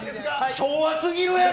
昭和すぎるやろ！